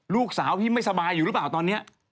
ลูกสาวพี่ไม่สบายอยู่หรือเปล่าตอนนี้